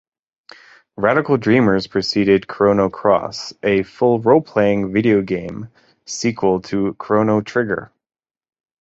"Radical Dreamers" preceded "Chrono Cross", a full role-playing video game sequel to "Chrono Trigger".